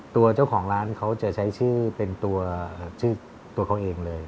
ตัวเจ้าของร้านเขาจะใช้ชื่อเป็นตัวชื่อตัวเขาเองเลย